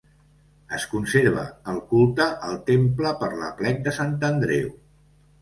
Es conserva el culte al temple per l'aplec de Sant Andreu.